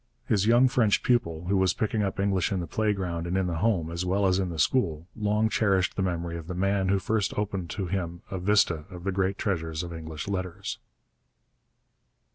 His young French pupil, who was picking up English in the playground and in the home as well as in the school, long cherished the memory of the man who first opened to him a vista of the great treasures of English letters.